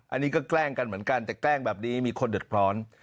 อันนี้ก็แกล้งกันเหมือนกันแต่แกล้งแบบนี้มีคนเดือดร้อน